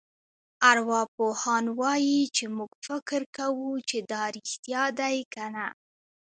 ارواپوهان وايي چې موږ فکر کوو چې دا رېښتیا دي کنه.